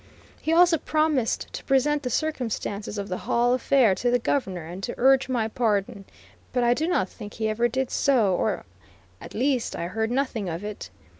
He also promised to present the circumstances of the Hall affair to the Governor, and to urge my pardon, but I do not think he ever did so, at least I heard nothing of it.